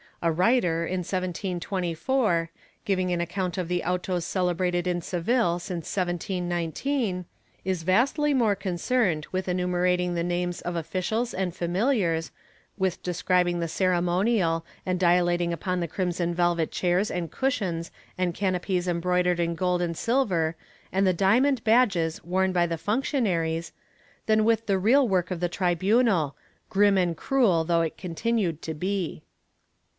A writer, in 1724, giving an account of the autos celebrated in Seville since 1719, is vastly more concerned with enumerating the names of officials and familiars, with describing the ceremonial and dilating upon the crimson velvet chairs and cushions and canopies embroidered in gold and silver and the diamond badges worn by the function aries, than with the real work of the tribunal, grim and cruel though it continued to be.